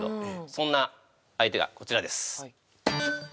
そんな相手がこちらです